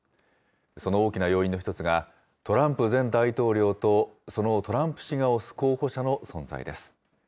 その大きな要因の一つがトランプ前大統領と、そのトランプ氏が推す候補者の存在です。